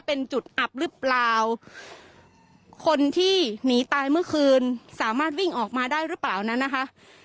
เป็นจุดอับหรือเปล่าคนที่หนีตายเมื่อคืนสามารถวิ่งออกมาได้หรือเปล่านั้นนะคะ